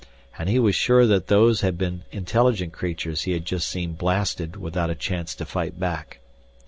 And he was sure that those had been intelligent creatures he had just seen blasted without a chance to fight back.